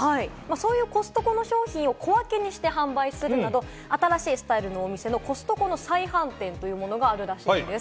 そういうコストコの商品を小分けにして販売するなど、新しいスタイルのお店、コストコ再販店というものがあるらしいんです。